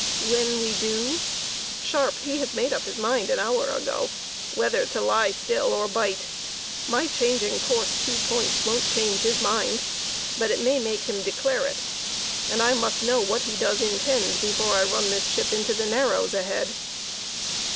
"When we do? Sharpe, he has made up his mind an hour ago whether to lie still, or bite; my changing my course two points won't change his mind; but it may make him declare it; and I must know what he does intend, before I run the ship into the narrows ahead."